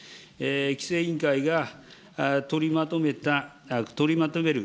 規制委員会が取りまとめた、取りまとめる